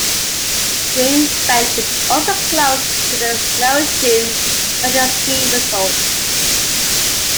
Green Bank is also close to the Snowshoe Mountain ski resort.